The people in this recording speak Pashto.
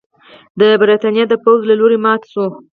د برېټانیا د پوځ له لوري مات شو.